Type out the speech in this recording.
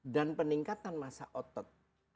dan peningkatan masa otot